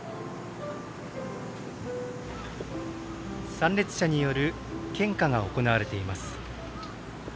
参列者による献花が行われています。